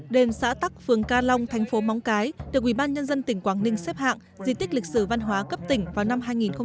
đền xã tắc phường ca long thành phố móng cái được ubnd tỉnh quảng ninh xếp hạng di tích lịch sử văn hóa cấp tỉnh vào năm hai nghìn một mươi